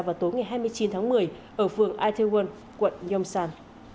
vào tối ngày hai mươi chín tháng một mươi ở phường ataywon quận yongsan